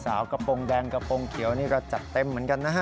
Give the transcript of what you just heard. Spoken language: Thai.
กระโปรงแดงกระโปรงเขียวนี่ก็จัดเต็มเหมือนกันนะฮะ